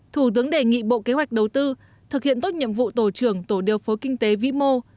thủ tướng đề nghị bộ kế hoạch đầu tư thực hiện tốt nhiệm vụ tổ trưởng tổ điều phối kinh tế vĩ mô